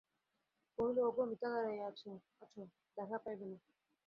কহিল, ওগো, মিথ্যা দাঁড়াইয়া আছ, দেখা পাইবে না।